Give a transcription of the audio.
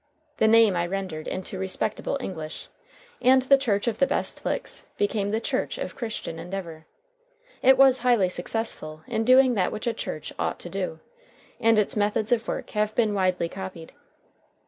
The name I rendered into respectable English, and the Church of the Best Licks became the Church of Christian Endeavor. It was highly successful in doing that which a church ought to do, and its methods of work have been widely copied.